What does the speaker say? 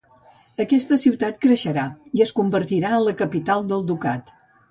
Aquesta ciutat creixerà i es convertirà en la capital del ducat.